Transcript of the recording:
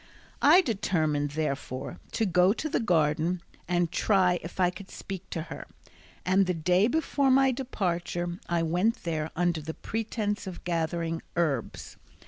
I determined, therefore, to go to the garden and try if I could speak to her; and the day before my departure I went there under the pretence of gathering herbs.